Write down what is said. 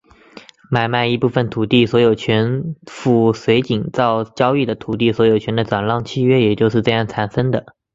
买卖一部分土地所有权附随井灶交易的土地所有权的转让契约也就是这样产生的。